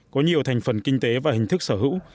có nhiều thành phần kinh tế và hình thức sở hữu